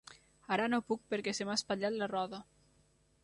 Ara no puc perquè se m'ha espatllat la roda.